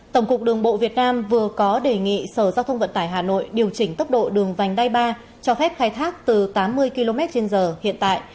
tổng cục đường bộ việt nam vừa có đề nghị sở giao thông vận tải hà nội điều chỉnh tốc độ đường vành đai ba cho phép khai thác từ tám mươi km trên giờ hiện tại